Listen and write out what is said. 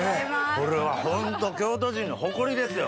これはホント京都人の誇りですよ。